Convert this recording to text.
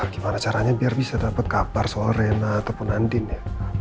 gimana caranya biar bisa dapet kabar soal reina ataupun andien ya